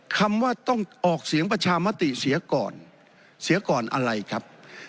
คำว่าต้องออกเสียงประชามติเสียก่อนเสียก่อนอะไรครับ